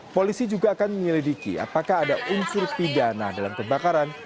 polisi juga akan menyelidiki apakah ada unsur pidana dalam kebakaran